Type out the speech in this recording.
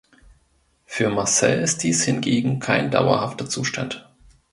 Für Marcel ist dies hingegen kein dauerhafter Zustand.